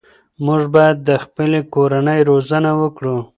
موږ باید د خپلې کورنۍ روزنه وکړو.